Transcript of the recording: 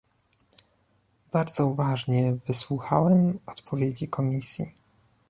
Bardzo uważnie wysłuchałem odpowiedzi Komisji